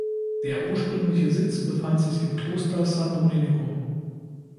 Der ursprüngliche Sitz befand sich im Kloster San Domenico.